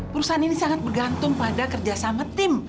perusahaan ini sangat bergantung pada kerja sama tim